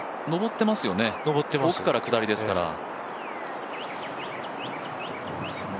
上ってますよね、奥から下りですから。